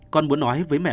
con muốn nói với mẹ